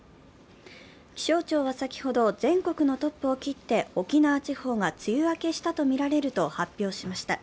気象庁は先ほど、全国のトップを切って沖縄地方が梅雨明けしたとみられると発表しました。